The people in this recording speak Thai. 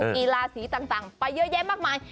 กีฬาสีต่างไปเยอะแยะมากมาย